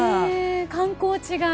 観光地が。